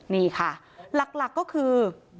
นี่ค่ะหลักก็คือ